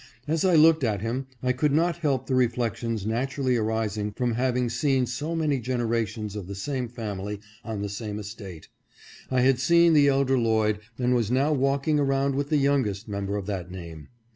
As 1 looked at him I could not help the reflections naturally arising from having seen so many generations of the same family on the same es tate. I had seen the elder Lloyd, and was now walking around with the youngest member of that name.